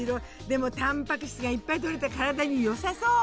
でもたんぱく質がいっぱいとれて体に良さそう。